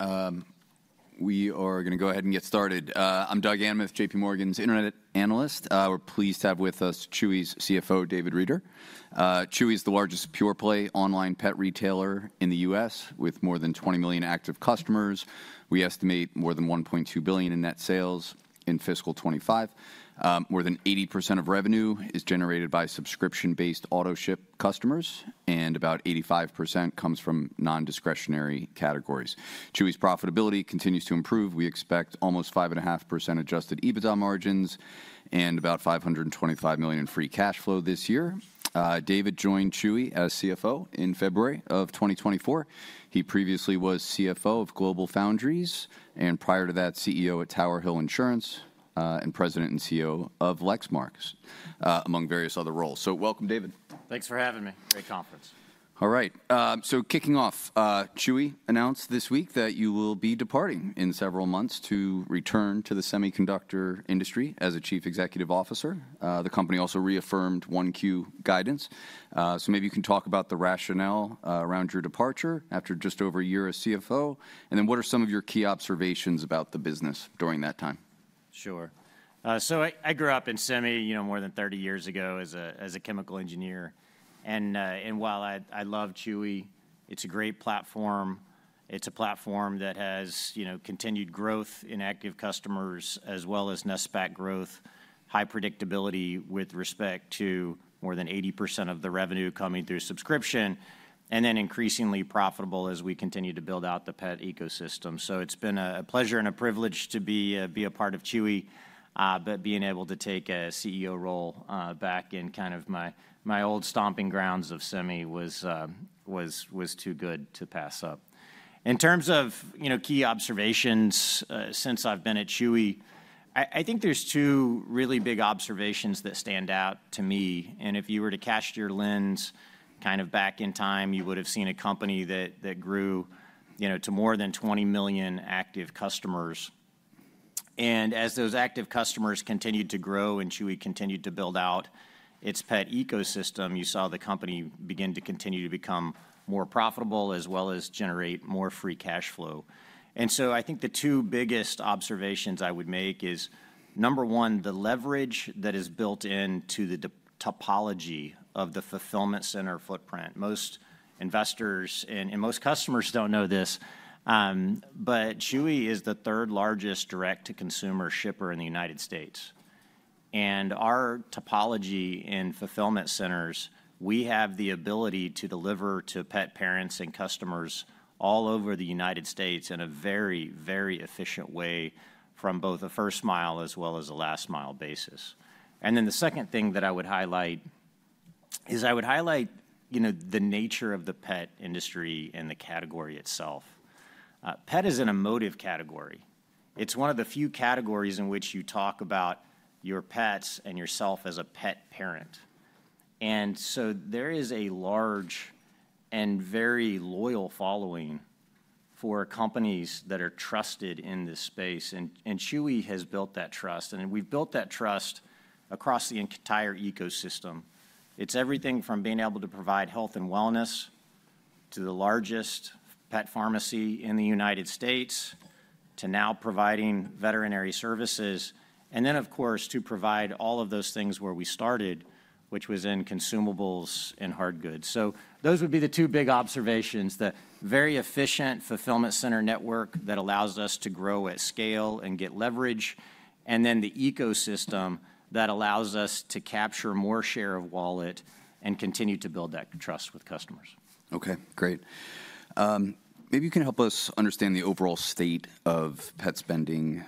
All right. We are going to go ahead and get started. I'm Doug Anmuth, JPMorgan's Internet Analyst. We're pleased to have with us Chewy's CFO, David Reeder. Chewy is the largest pure-play online pet retailer in the U.S., with more than 20 million active customers. We estimate more than $1.2 billion in net sales in fiscal 2025. More than 80% of revenue is generated by subscription-based Autoship customers, and about 85% comes from non-discretionary categories. Chewy's profitability continues to improve. We expect almost 5.5% adjusted EBITDA margins and about $525 million in free cash flow this year. David joined Chewy as CFO in February of 2024. He previously was CFO of GlobalFoundries and, prior to that, CEO at Tower Hill Insurance and President and CEO of Lexmark, among various other roles. Welcome, David. Thanks for having me. Great conference. All right. Kicking off, Chewy announced this week that you will be departing in several months to return to the semiconductor industry as a Chief Executive Officer. The company also reaffirmed 1Q guidance. Maybe you can talk about the rationale around your departure after just over a year as CFO, and then what are some of your key observations about the business during that time? Sure. I grew up in semi more than 30 years ago as a chemical engineer. While I love Chewy, it's a great platform. It's a platform that has continued growth in active customers, as well as net SPAC growth, high predictability with respect to more than 80% of the revenue coming through subscription, and then increasingly profitable as we continue to build out the pet ecosystem. It has been a pleasure and a privilege to be a part of Chewy. Being able to take a CEO role back in kind of my old stomping grounds of semi was too good to pass up. In terms of key observations since I've been at Chewy, I think there are two really big observations that stand out to me. If you were to cast your lens kind of back in time, you would have seen a company that grew to more than 20 million active customers. As those active customers continued to grow and Chewy continued to build out its pet ecosystem, you saw the company begin to continue to become more profitable, as well as generate more free cash flow. I think the two biggest observations I would make are, number one, the leverage that is built into the topology of the Fulfillment Center footprint. Most investors and most customers do not know this, but Chewy is the third largest direct-to-consumer shipper in the United States. Our topology in Fulfillment Centers, we have the ability to deliver to pet parents and customers all over the United States. in a very, very efficient way from both a first-mile as well as a last-mile basis. The second thing that I would highlight is I would highlight the nature of the pet industry and the category itself. Pet is an emotive category. It's one of the few categories in which you talk about your pets and yourself as a pet parent. There is a large and very loyal following for companies that are trusted in this space. Chewy has built that trust. We have built that trust across the entire ecosystem. It's everything from being able to provide health and wellness to the largest pet pharmacy in the United States, to now providing veterinary services, and then, of course, to provide all of those things where we started, which was in consumables and hard goods. Those would be the two big observations: the very efficient fulfillment center network that allows us to grow at scale and get leverage, and then the ecosystem that allows us to capture more share of wallet and continue to build that trust with customers. OK, great. Maybe you can help us understand the overall state of pet spending.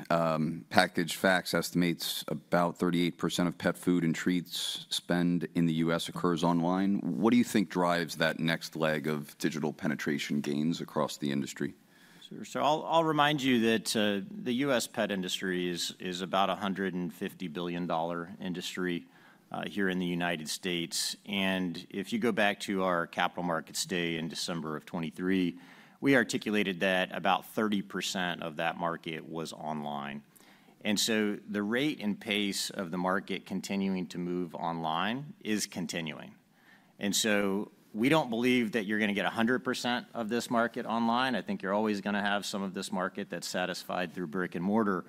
Package Facts estimates about 38% of Pet Food and Treats spend in the U.S. occurs online. What do you think drives that next leg of digital penetration gains across the industry? I'll remind you that the U.S. pet industry is about a $150 billion industry here in the United States. If you go back to our Capital Markets Day in December of 2023, we articulated that about 30% of that market was online. The rate and pace of the market continuing to move online is continuing. We do not believe that you are going to get 100% of this market online. I think you are always going to have some of this market that is satisfied through brick and mortar.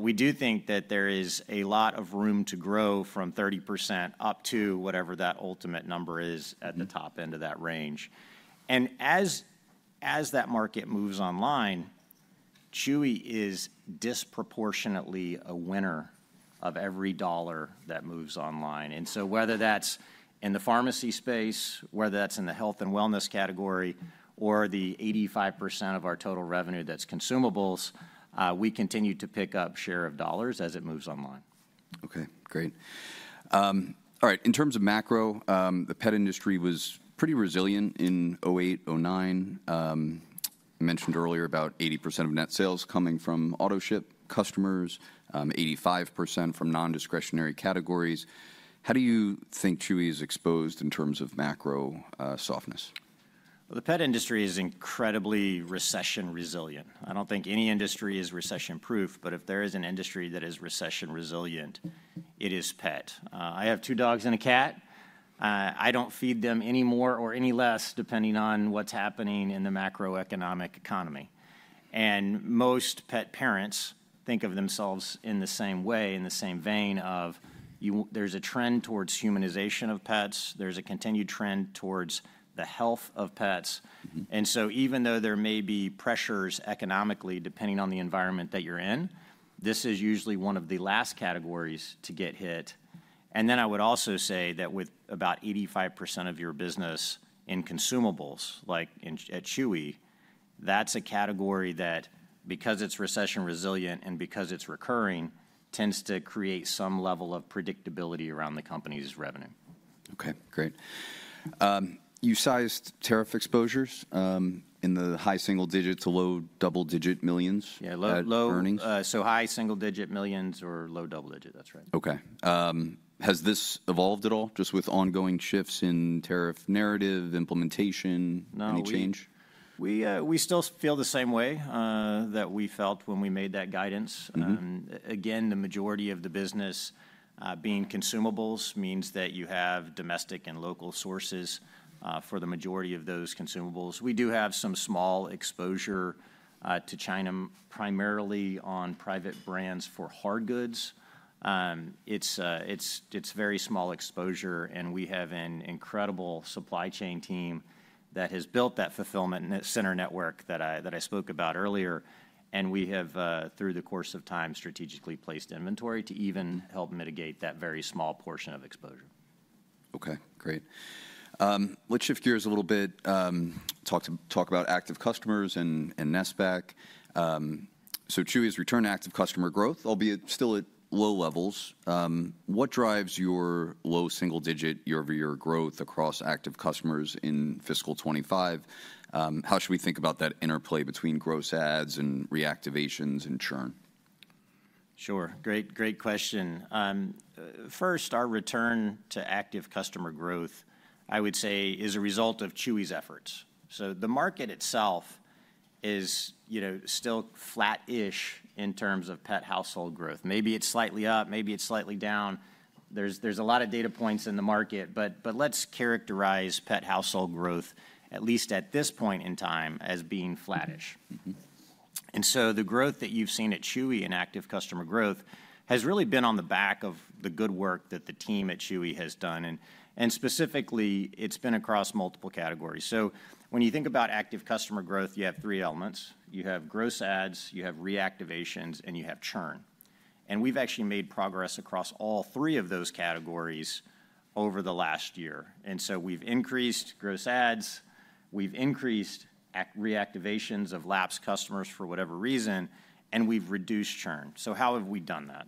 We do think that there is a lot of room to grow from 30% up to whatever that ultimate number is at the top end of that range. As that market moves online, Chewy is disproportionately a winner of every dollar that moves online. Whether that's in the pharmacy space, whether that's in the health and wellness category, or the 85% of our total revenue that's consumables, we continue to pick up share of dollars as it moves online. OK, great. All right. In terms of macro, the pet industry was pretty resilient in 2008, 2009. I mentioned earlier about 80% of net sales coming from Autoship customers, 85% from non-discretionary categories. How do you think Chewy is exposed in terms of macro softness? The pet industry is incredibly recession resilient. I do not think any industry is recession proof. If there is an industry that is recession resilient, it is pet. I have two dogs and a cat. I do not feed them any more or any less, depending on what is happening in the macroeconomic economy. Most pet parents think of themselves in the same way, in the same vein of there is a trend towards humanization of pets. There is a continued trend towards the health of pets. Even though there may be pressures economically depending on the environment that you are in, this is usually one of the last categories to get hit. I would also say that with about 85% of your business in consumables, like at Chewy, that's a category that, because it's recession resilient and because it's recurring, tends to create some level of predictability around the company's revenue. OK, great. You sized tariff exposures in the high single-digit to low double-digit millions. Yeah, low. Earnings? High single-digit millions or low double-digit, that's right. OK. Has this evolved at all, just with ongoing shifts in tariff narrative, implementation, any change? We still feel the same way that we felt when we made that guidance. Again, the majority of the business being consumables means that you have domestic and local sources for the majority of those consumables. We do have some small exposure to China, primarily on Private brands for Hardgoods. It is very small exposure. We have an incredible supply chain team that has built that Fulfillment Center network that I spoke about earlier. We have, through the course of time, strategically placed inventory to even help mitigate that very small portion of exposure. OK, great. Let's shift gears a little bit, talk about active customers and NSPAC. So Chewy has returned Active Customer Growth, albeit still at low levels. What drives your low single-digit year-over-year growth across active customers in fiscal 2025? How should we think about that interplay between gross ads and reactivations and churn? Sure. Great question. First, our return to Active Customer Growth, I would say, is a result of Chewy's efforts. The market itself is still flat-ish in terms of pet household growth. Maybe it is slightly up. Maybe it is slightly down. There are a lot of data points in the market. Let's characterize pet household growth, at least at this point in time, as being flattish. The growth that you have seen at Chewy in Active Customer Growth has really been on the back of the good work that the team at Chewy has done. Specifically, it has been across multiple categories. When you think about Active Customer Growth, you have three elements. You have gross ads, you have reactivations, and you have churn. We have actually made progress across all three of those categories over the last year. We have increased gross ads. We've increased reactivations of lapsed customers for whatever reason. We've reduced churn. How have we done that?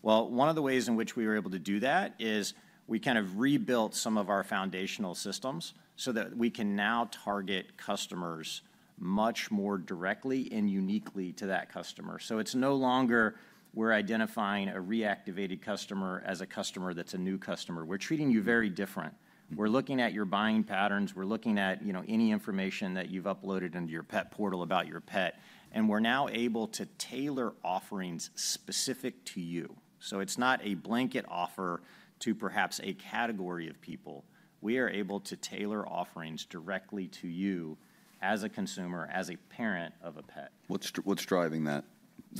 One of the ways in which we were able to do that is we kind of rebuilt some of our foundational systems so that we can now target customers much more directly and uniquely to that customer. It's no longer we're identifying a reactivated customer as a customer that's a new customer. We're treating you very different. We're looking at your buying patterns. We're looking at any information that you've uploaded into your pet portal about your pet. We're now able to tailor offerings specific to you. It's not a blanket offer to perhaps a category of people. We are able to tailor offerings directly to you as a consumer, as a parent of a pet. What's driving that?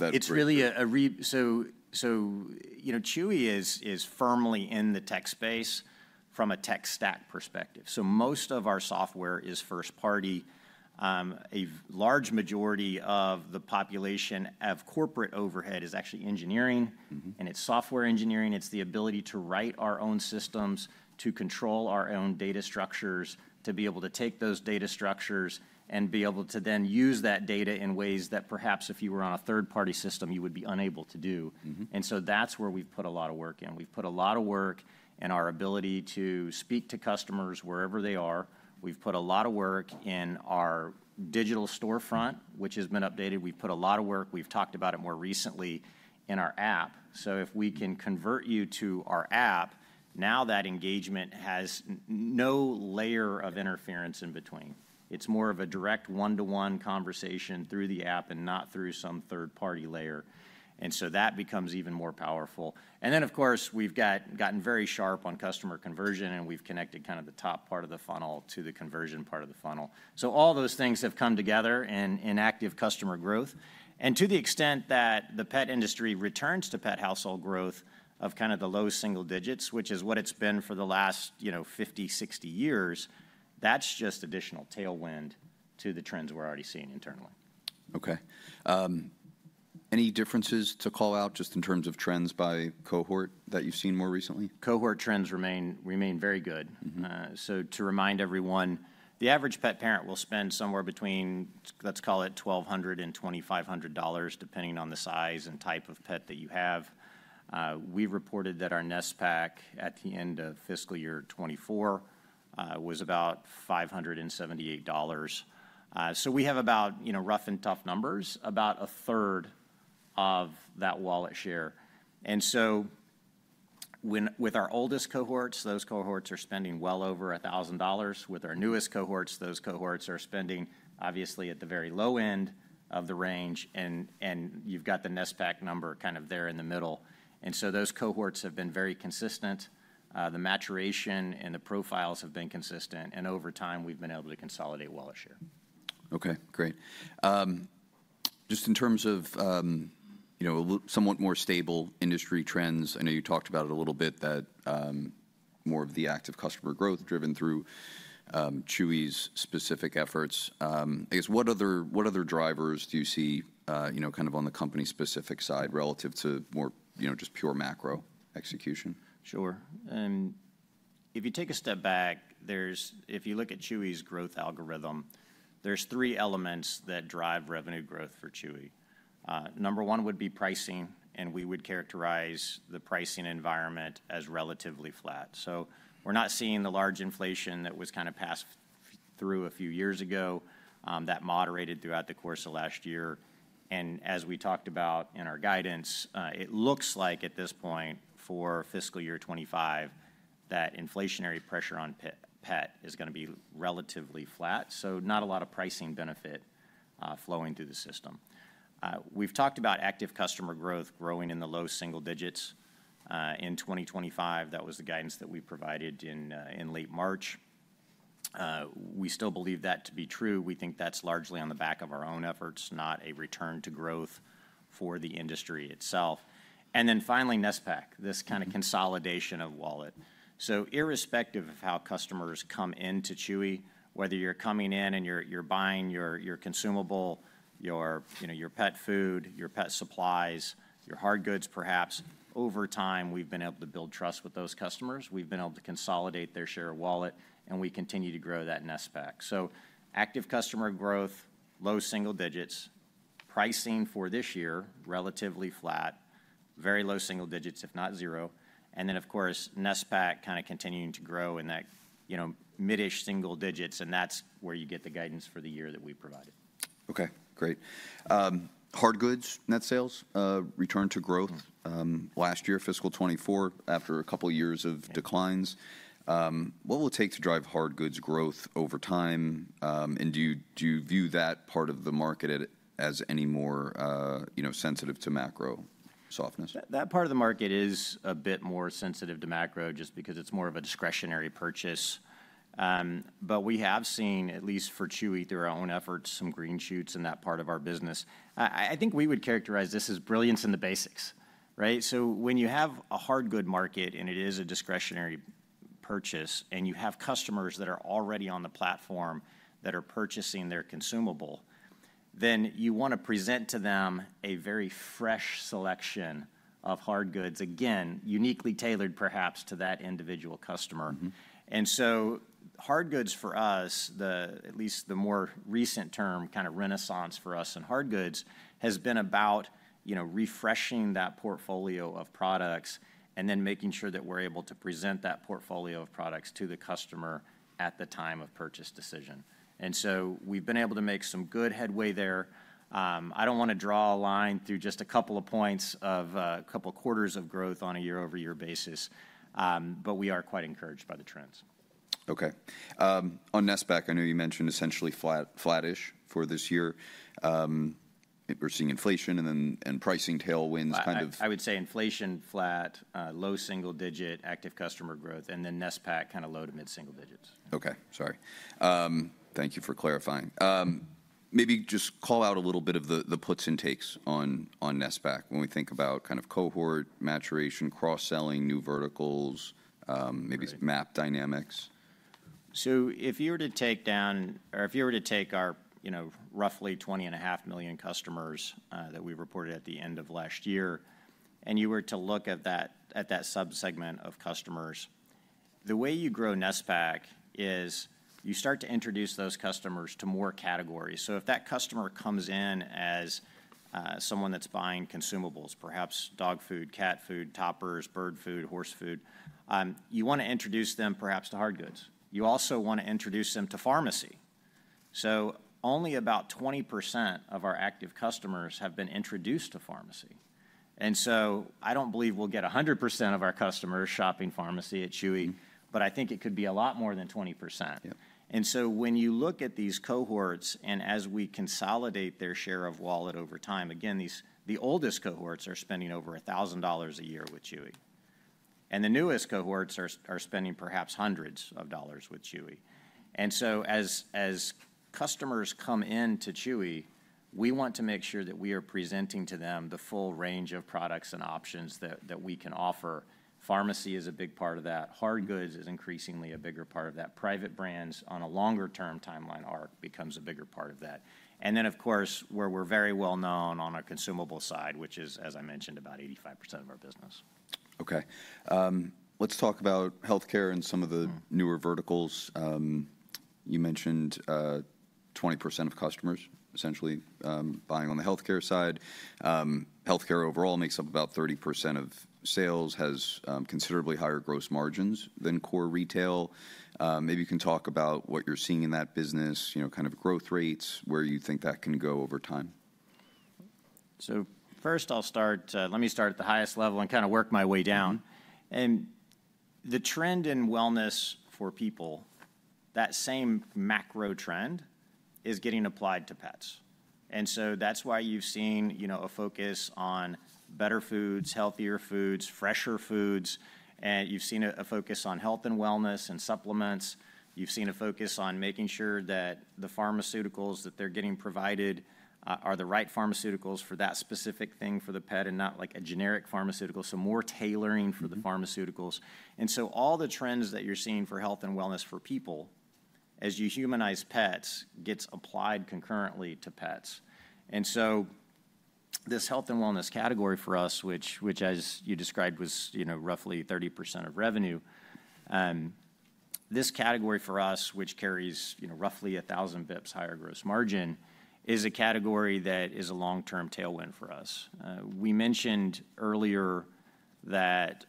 It's really a re so Chewy is firmly in the tech space from a tech stack perspective. Most of our software is first-party. A large majority of the population of corporate overhead is actually engineering. And it's software engineering. It's the ability to write our own systems, to control our own data structures, to be able to take those data structures and be able to then use that data in ways that perhaps if you were on a third-party system, you would be unable to do. That's where we've put a lot of work in. We've put a lot of work in our ability to speak to customers wherever they are. We've put a lot of work in our digital storefront, which has been updated. We've put a lot of work. We've talked about it more recently in our app. If we can convert you to our app, now that engagement has no layer of interference in between. It's more of a direct one-to-one conversation through the app and not through some third-party layer. That becomes even more powerful. Of course, we've gotten very sharp on customer conversion. We've connected kind of the top part of the funnel to the conversion part of the funnel. All those things have come together in Active Customer Growth. To the extent that the pet industry returns to pet household growth of kind of the low single digits, which is what it's been for the last 50, 60 years, that's just additional tailwind to the trends we're already seeing internally. OK. Any differences to call out just in terms of trends by cohort that you've seen more recently? Cohort trends remain very good. To remind everyone, the average pet parent will spend somewhere between, let's call it, $1,200 and $2,500, depending on the size and type of pet that you have. We reported that our NSPAC at the end of fiscal year 2024 was about $578. We have about, rough and tough numbers, about a third of that wallet share. With our oldest cohorts, those cohorts are spending well over $1,000. With our newest cohorts, those cohorts are spending, obviously, at the very low end of the range. You have the NSPAC number kind of there in the middle. Those cohorts have been very consistent. The maturation and the profiles have been consistent. Over time, we have been able to consolidate wallet share. OK, great. Just in terms of somewhat more stable industry trends, I know you talked about it a little bit, that more of the Active Customer Growth driven through Chewy's specific efforts. I guess, what other drivers do you see kind of on the company-specific side relative to more just pure macro execution? Sure. If you take a step back, if you look at Chewy's growth algorithm, there are three elements that drive revenue growth for Chewy. Number one would be pricing. We would characterize the pricing environment as relatively flat. We are not seeing the large inflation that was kind of passed through a few years ago that moderated throughout the course of last year. As we talked about in our guidance, it looks like at this point for fiscal year 2025 that inflationary pressure on pet is going to be relatively flat. Not a lot of pricing benefit flowing through the system. We have talked about Active Customer Growth growing in the low single digits. In 2025, that was the guidance that we provided in late March. We still believe that to be true. We think that's largely on the back of our own efforts, not a return to growth for the industry itself. Finally, NSPAC, this kind of consolidation of wallet. Irrespective of how customers come into Chewy, whether you're coming in and you're buying your consumable, your Pet Food, your Pet Supplies, your Hardgoods, perhaps, over time, we've been able to build trust with those customers. We've been able to consolidate their share of wallet. We continue to grow that NSPAC. Active Customer Growth, low single digits, pricing for this year relatively flat, very low single digits, if not zero. Of course, NSPAC kind of continuing to grow in that mid-ish single digits. That's where you get the guidance for the year that we provided. OK, great. Hardgoods, net sales, return to growth last year, fiscal 2024, after a couple of years of declines. What will it take to drive Hardgoods growth over time? Do you view that part of the market as any more sensitive to macro softness? That part of the market is a bit more sensitive to macro just because it is more of a discretionary purchase. We have seen, at least for Chewy through our own efforts, some green shoots in that part of our business. I think we would characterize this as brilliance in the basics. When you have a Hardgood market and it is a discretionary purchase and you have customers that are already on the platform that are purchasing their consumable, you want to present to them a very fresh selection of Hardgoods, again, uniquely tailored perhaps to that individual customer. Hardgoods for us, at least the more recent term, kind of renaissance for us in Hardgoods, has been about refreshing that portfolio of products and then making sure that we're able to present that portfolio of products to the customer at the time of purchase decision. We have been able to make some good headway there. I do not want to draw a line through just a couple of points of a couple of quarters of growth on a year-over-year basis. We are quite encouraged by the trends. OK. On NSPAC, I know you mentioned essentially flattish for this year. We're seeing inflation and then pricing tailwinds kind of. I would say inflation flat, low single digit Active Customer Growth, and then NSPAC kind of low to mid single digits. OK, sorry. Thank you for clarifying. Maybe just call out a little bit of the puts and takes on NSPAC when we think about kind of cohort maturation, cross-selling, new verticals, maybe some map dynamics. If you were to take down or if you were to take our roughly 20.5 million customers that we reported at the end of last year and you were to look at that subsegment of customers, the way you grow net SPAC is you start to introduce those customers to more categories. If that customer comes in as someone that's buying consumables, perhaps dog food, cat food, toppers, bird food, horse food, you want to introduce them perhaps to Hardgoods. You also want to introduce them to pharmacy. Only about 20% of our active customers have been introduced to pharmacy. I don't believe we'll get 100% of our customers shopping pharmacy at Chewy. I think it could be a lot more than 20%. When you look at these cohorts and as we consolidate their share of wallet over time, again, the oldest cohorts are spending over $1,000 a year with Chewy. The newest cohorts are spending perhaps hundreds of dollars with Chewy. As customers come into Chewy, we want to make sure that we are presenting to them the full range of products and options that we can offer. Pharmacy is a big part of that. Hardgoods is increasingly a bigger part of that. Private Brands on a longer-term timeline arc becomes a bigger part of that. Of course, where we're very well known is on our consumable side, which is, as I mentioned, about 85% of our business. OK. Let's talk about health care and some of the newer verticals. You mentioned 20% of customers essentially buying on the health care side. Health care overall makes up about 30% of sales, has considerably higher gross margins than core retail. Maybe you can talk about what you're seeing in that business, kind of growth rates, where you think that can go over time. First, I'll start. Let me start at the highest level and kind of work my way down. The trend in wellness for people, that same macro trend is getting applied to pets. That is why you've seen a focus on better foods, healthier foods, fresher foods. You've seen a focus on health and wellness and supplements. You've seen a focus on making sure that the pharmaceuticals that they're getting provided are the right pharmaceuticals for that specific thing for the pet and not like a generic pharmaceutical, so more tailoring for the pharmaceuticals. All the trends that you're seeing for health and wellness for people as you humanize pets gets applied concurrently to pets. This health and wellness category for us, which, as you described, was roughly 30% of revenue, this category for us, which carries roughly 1,000 basis points higher gross margin, is a category that is a long-term tailwind for us. We mentioned earlier that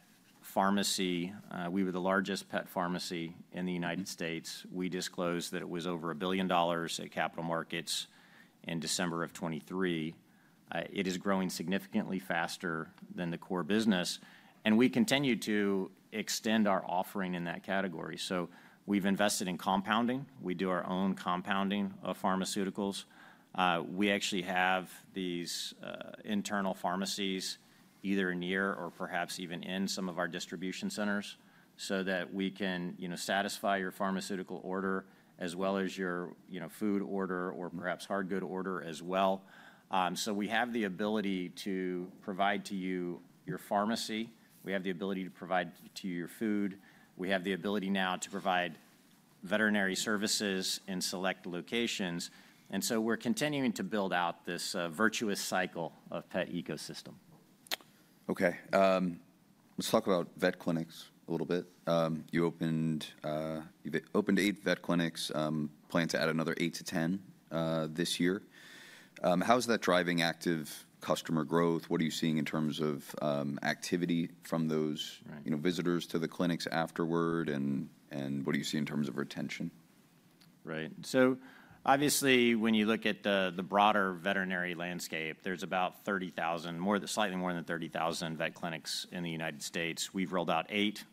pharmacy, we were the largest pet pharmacy in the U.S. We disclosed that it was over $1 billion at capital markets in December of 2023. It is growing significantly faster than the core business. We continue to extend our offering in that category. We have invested in compounding. We do our own compounding of pharmaceuticals. We actually have these internal pharmacies either near or perhaps even in some of our distribution centers so that we can satisfy your pharmaceutical order as well as your food order or perhaps Hardgood order as well. We have the ability to provide to you your pharmacy. We have the ability to provide to you your food. We have the ability now to provide veterinary services in select locations. We are continuing to build out this virtuous cycle of pet ecosystem. OK. Let's talk about vet clinics a little bit. You opened eight vet clinics, plan to add another eight to 10 this year. How is that driving Active Customer Growth? What are you seeing in terms of activity from those visitors to the clinics afterward? What do you see in terms of retention? Right. Obviously, when you look at the broader veterinary landscape, there are about 30,000, slightly more than 30,000 vet clinics in the United States. We have rolled out eight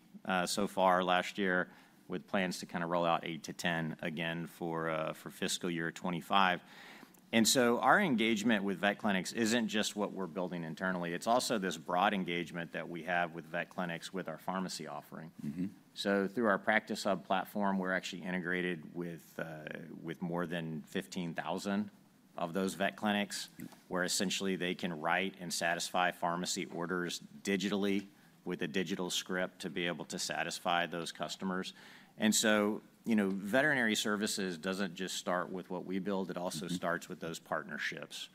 so far last year with plans to kind of roll out eight to 10 again for fiscal year 2025. Our engagement with vet clinics is not just what we are building internally. It is also this broad engagement that we have with vet clinics with our pharmacy offering. Through our Practice Hub platform, we are actually integrated with more than 15,000 of those vet clinics where essentially they can write and satisfy pharmacy orders digitally with a digital script to be able to satisfy those customers. Veterinary services do not just start with what we build. It also starts with those partnerships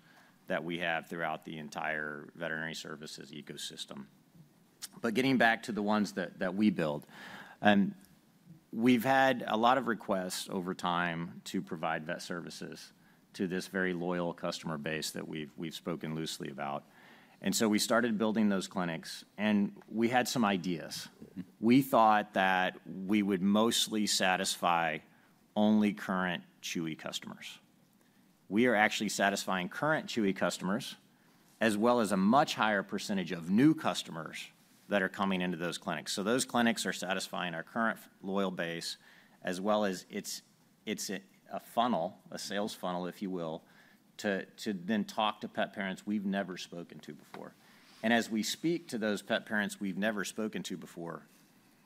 that we have throughout the entire veterinary services ecosystem. Getting back to the ones that we build, we've had a lot of requests over time to provide vet services to this very loyal customer base that we've spoken loosely about. We started building those clinics. We had some ideas. We thought that we would mostly satisfy only current Chewy customers. We are actually satisfying current Chewy customers as well as a much higher percentage of new customers that are coming into those clinics. Those clinics are satisfying our current loyal base as well as it's a funnel, a sales funnel, if you will, to then talk to pet parents we've never spoken to before. As we speak to those pet parents we've never spoken to before,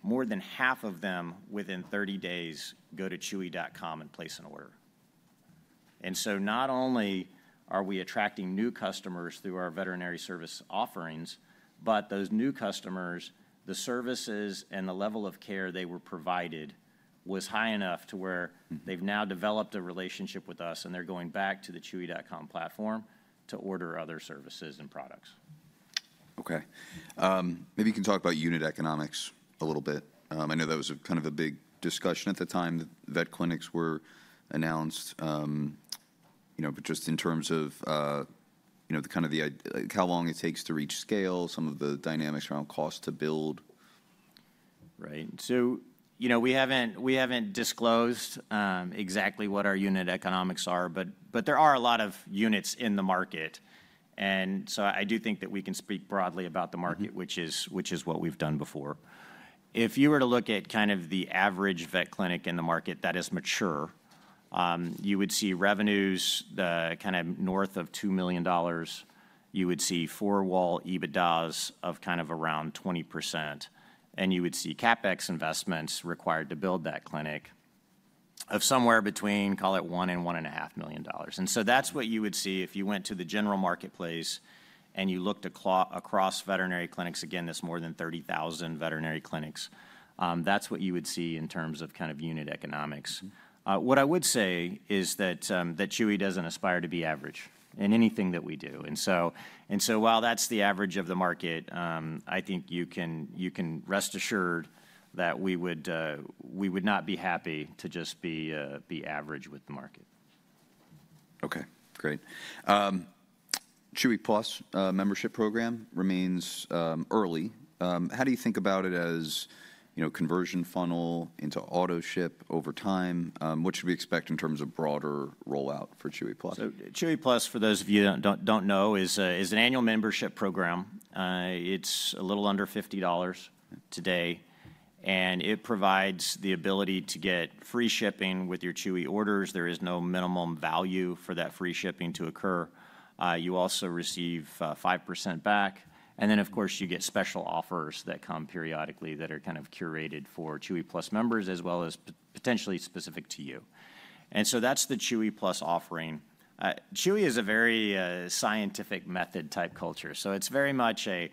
more than half of them within 30 days go to chewy.com and place an order. Not only are we attracting new customers through our veterinary service offerings, but those new customers, the services and the level of care they were provided was high enough to where they've now developed a relationship with us. They're going back to the Chewy.com platform to order other services and products. OK. Maybe you can talk about unit economics a little bit. I know that was kind of a big discussion at the time that vet clinics were announced, but just in terms of kind of how long it takes to reach scale, some of the dynamics around cost to build. Right. We haven't disclosed exactly what our unit economics are. There are a lot of units in the market. I do think that we can speak broadly about the market, which is what we've done before. If you were to look at kind of the average vet clinic in the market that is mature, you would see revenues north of $2 million. You would see four-wall EBITDAs of around 20%. You would see CapEx investments required to build that clinic of somewhere between $1 million and $1.5 million. That is what you would see if you went to the general marketplace and you looked across veterinary clinics. Again, there are more than 30,000 veterinary clinics. That is what you would see in terms of unit economics. What I would say is that Chewy doesn't aspire to be average in anything that we do. While that's the average of the market, I think you can rest assured that we would not be happy to just be average with the market. OK, great. Chewy Plus membership program remains early. How do you think about it as a conversion funnel into Autoship over time? What should we expect in terms of broader rollout for Chewy Plus? Chewy Plus, for those of you that do not know, is an annual membership program. It is a little under $50 today. It provides the ability to get free shipping with your Chewy orders. There is no minimum value for that free shipping to occur. You also receive 5% back. Of course, you get special offers that come periodically that are kind of curated for Chewy Plus members as well as potentially specific to you. That is the Chewy Plus offering. Chewy is a very scientific method type culture. It is very much a,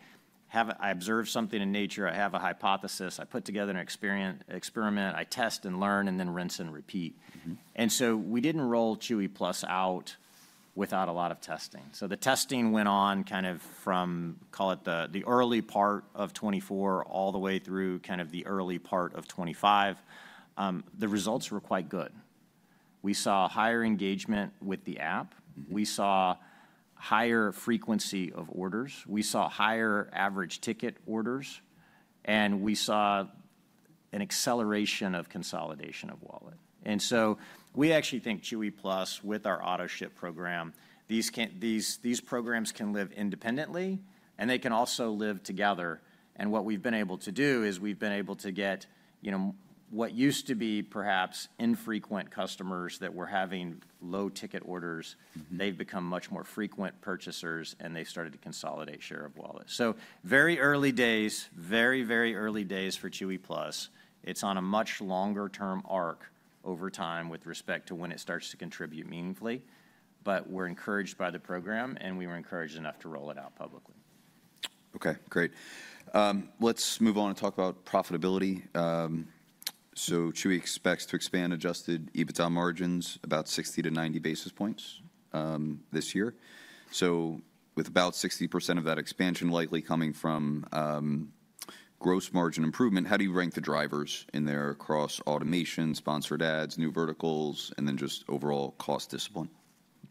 I observe something in nature. I have a hypothesis. I put together an experiment. I test and learn and then rinse and repeat. We did not roll Chewy Plus out without a lot of testing. The testing went on kind of from, call it, the early part of 2024 all the way through kind of the early part of 2025. The results were quite good. We saw higher engagement with the app. We saw higher frequency of orders. We saw higher average ticket orders. We saw an acceleration of consolidation of wallet. We actually think Chewy Plus with our Autoship program, these programs can live independently. They can also live together. What we have been able to do is we have been able to get what used to be perhaps infrequent customers that were having low ticket orders, they have become much more frequent purchasers. They have started to consolidate share of wallet. Very early days, very, very early days for Chewy Plus. It is on a much longer-term arc over time with respect to when it starts to contribute meaningfully. We're encouraged by the program. We were encouraged enough to roll it out publicly. OK, great. Let's move on and talk about profitability. Chewy expects to expand adjusted EBITDA margins about 60-90 basis points this year. With about 60% of that expansion likely coming from gross margin improvement, how do you rank the drivers in there across Automation, Sponsored Ads, New Verticals, and then just overall Cost Discipline?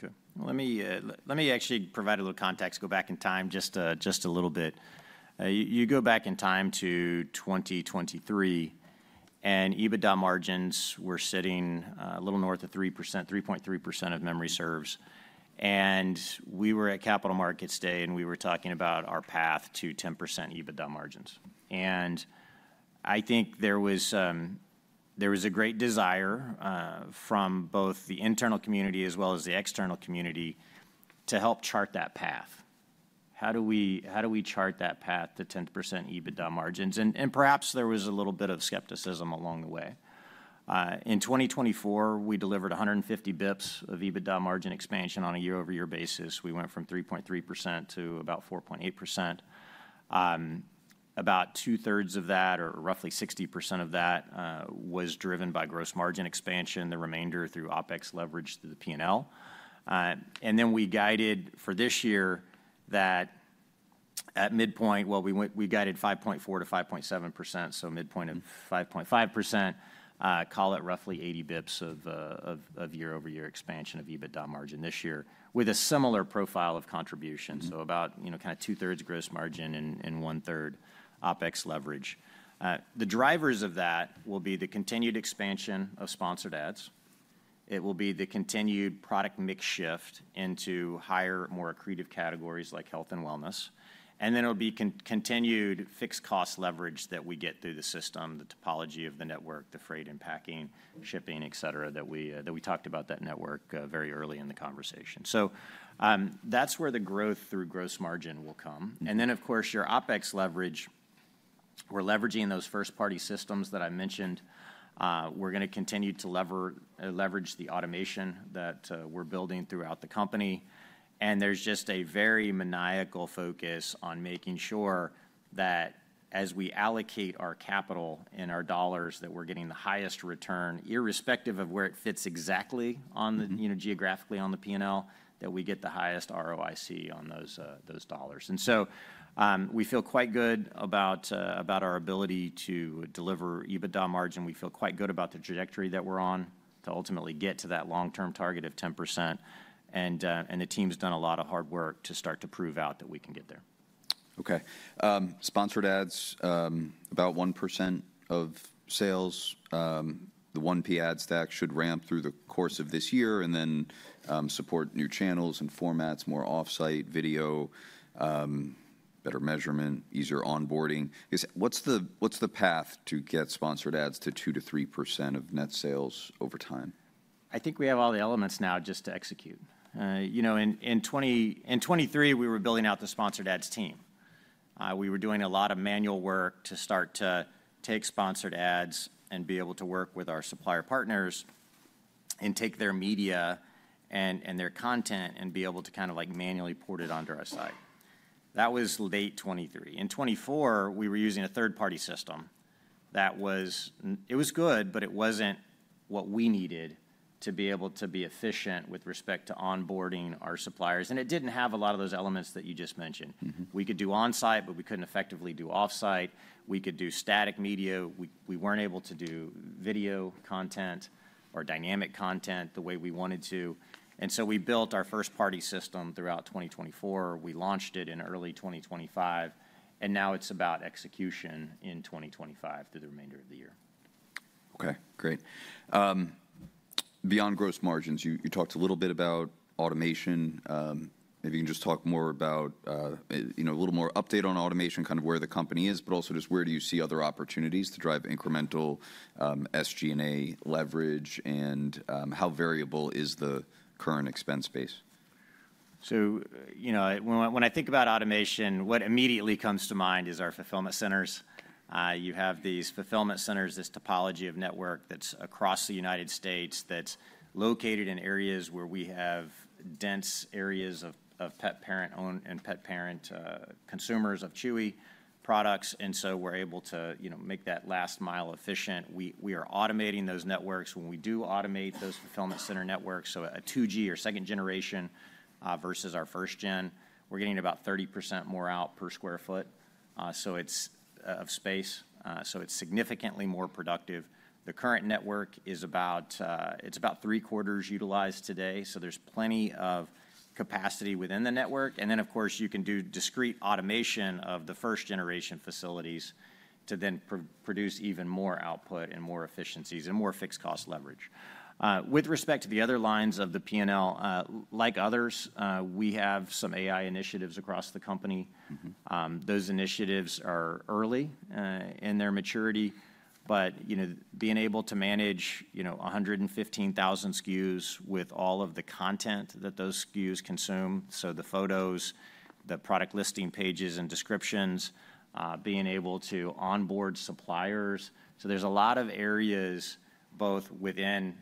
OK. Let me actually provide a little context, go back in time just a little bit. You go back in time to 2023. EBITDA margins were sitting a little north of 3%, 3.3% if memory serves. We were at Capital Markets Day. We were talking about our path to 10% EBITDA margins. I think there was a great desire from both the internal community as well as the external community to help chart that path. How do we chart that path to 10% EBITDA margins? Perhaps there was a little bit of skepticism along the way. In 2024, we delivered 150 basis points of EBITDA margin expansion on a year-over-year basis. We went from 3.3% to about 4.8%. About two-thirds of that, or roughly 60% of that, was driven by gross margin expansion. The remainder through OpEx leverage through the P&L. We guided for this year that at midpoint, we guided 5.4%-5.7%. Midpoint of 5.5%, call it roughly 80 basis points of year-over-year expansion of EBITDA margin this year with a similar profile of contribution. About two-thirds gross margin and one-third OpEx leverage. The drivers of that will be the continued expansion of Sponsored Ads. It will be the continued product mix shift into higher, more accretive categories like Health and Wellness. It will be continued fixed cost leverage that we get through the system, the topology of the network, the freight and packing, shipping, et cetera, that we talked about, that network very early in the conversation. That is where the growth through gross margin will come. Of course, your OpEx leverage. We are leveraging those first-party systems that I mentioned. We're going to continue to leverage the automation that we're building throughout the company. There is just a very maniacal focus on making sure that as we allocate our capital and our dollars that we're getting the highest return, irrespective of where it fits exactly geographically on the P&L, that we get the highest ROIC on those dollars. We feel quite good about our ability to deliver EBITDA margin. We feel quite good about the trajectory that we're on to ultimately get to that long-term target of 10%. The team's done a lot of hard work to start to prove out that we can get there. OK. Sponsored Ads, about 1% of sales. The 1P ad stack should ramp through the course of this year and then support new channels and formats, more off-site video, better measurement, easier onboarding. What's the path to get Sponsored Ads to 2%-3% of net sales over time? I think we have all the elements now just to execute. In 2023, we were building out the Sponsored Ads team. We were doing a lot of manual work to start to take Sponsored Ads and be able to work with our supplier partners and take their media and their content and be able to kind of manually port it onto our site. That was late 2023. In 2024, we were using a third-party system. It was good, but it was not what we needed to be able to be efficient with respect to onboarding our suppliers. It did not have a lot of those elements that you just mentioned. We could do on-site, but we could not effectively do off-site. We could do static media. We were not able to do video content or dynamic content the way we wanted to. We built our first-party system throughout 2024. We launched it in early 2025. Now it's about execution in 2025 through the remainder of the year. OK, great. Beyond Gross Margins, you talked a little bit about Automation. Maybe you can just talk more about a little more update on Automation, kind of where the company is, but also just where do you see other opportunities to drive incremental SG&A Leverage? How variable is the current expense base? When I think about Automation, what immediately comes to mind is our Fulfillment Centers. You have these Fulfillment Centers, this topology of network that's across the United States that's located in areas where we have dense areas of pet parent and pet parent consumers of Chewy Products. We are able to make that last mile efficient. We are automating those networks. When we do automate those Fulfillment Center networks, so a 2G or Second Generation versus our First Gen, we're getting about 30% more out per sq ft of space. It is significantly more productive. The current network is about three-quarters utilized today. There is plenty of capacity within the network. Of course, you can do discrete automation of the first-generation facilities to then produce even more output and more efficiencies and more fixed cost leverage. With respect to the other lines of the P&L, like others, we have some AI initiatives across the company. Those initiatives are early in their maturity. Being able to manage 115,000 SKUs with all of the content that those SKUs consume, so the photos, the product listing pages and descriptions, being able to onboard suppliers. There are a lot of areas both within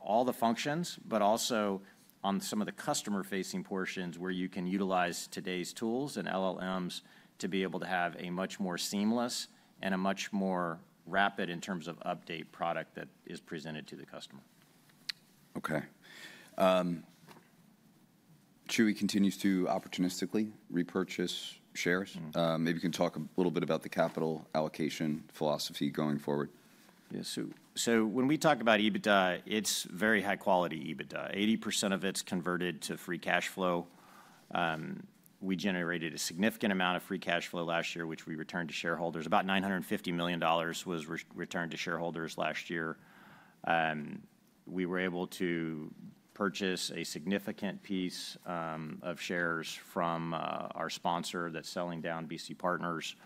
all the functions, but also on some of the customer-facing portions where you can utilize today's tools and LLMs to be able to have a much more seamless and a much more rapid in terms of update product that is presented to the customer. OK. Chewy continues to opportunistically repurchase shares. Maybe you can talk a little bit about the capital allocation philosophy going forward. Yeah. So when we talk about EBITDA, it's very high-quality EBITDA. 80% of it's converted to free cash flow. We generated a significant amount of Free Cash Flow last year, which we returned to shareholders. About $950 million was returned to shareholders last year. We were able to purchase a significant piece of shares from our sponsor that's selling down BC Partners.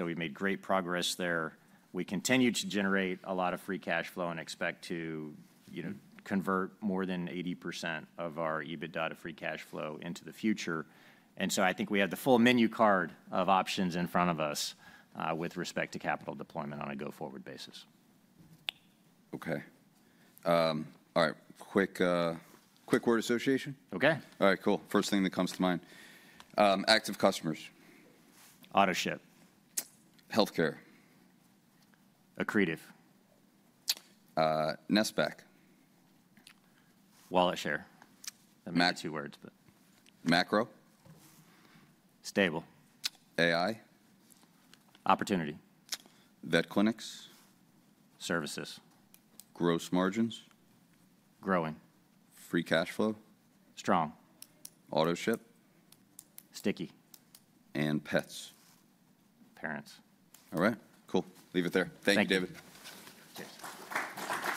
We made great progress there. We continue to generate a lot of Free Cash Flow and expect to convert more than 80% of our EBITDA to Free Cash Flow into the future. I think we have the full menu card of options in front of us with respect to capital deployment on a go-forward basis. OK. All right. Quick word association? OK. All right, cool. First thing that comes to mind. Active customers. Auto-ship. Health care. Accretive. Nesbek. Wallet share. That might be two words, but. Macro. Stable. AI. Opportunity. Vet clinics. Services. Gross margins. Growing. Free cash flow. Strong. Auto-ship. Sticky. And pets. Parents. All right, cool. Leave it there. Thank you, David. Cheers.